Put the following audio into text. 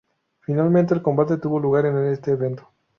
Finalmente, el combate tuvo lugar en este evento.